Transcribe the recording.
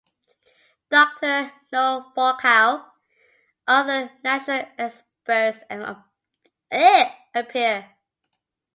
Doctor Nora Volkow, other national experts appear.